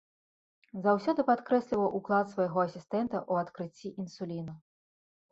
Заўсёды падкрэсліваў ўклад свайго асістэнта ў адкрыцці інсуліну.